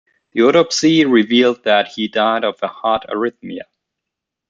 The autopsy revealed that he died of a heart arrhythmia.